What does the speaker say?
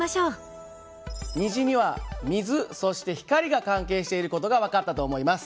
虹には水そして光が関係している事が分かったと思います。